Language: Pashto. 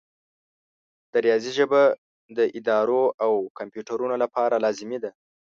د ریاضي ژبه د ادارو او کمپیوټرونو لپاره لازمي ده.